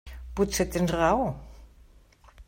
Potser tens raó.